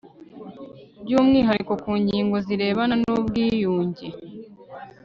by umwihariko ku ngingo zirebana n ubwiyunge